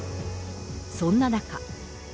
そんな中。